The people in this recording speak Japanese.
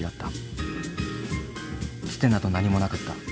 つてなど何もなかった。